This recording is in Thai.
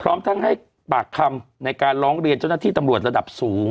พร้อมทั้งให้ปากคำในการร้องเรียนจนนาที่โดยรัดบสูง